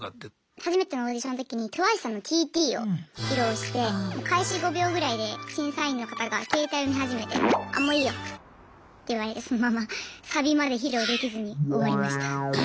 初めてのオーディションの時にＴＷＩＣＥさんの「ＴＴ」を披露して開始５秒ぐらいで審査員の方が携帯見始めて「あもういいよ」って言われてそのままサビまで披露できずに終わりました。